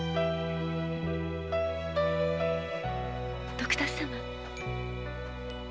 徳田様。